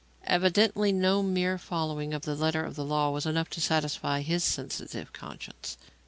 Evidently no mere following of the letter of the law was enough to satisfy his sensitive conscience.